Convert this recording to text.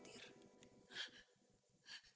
tante gak usah khawatir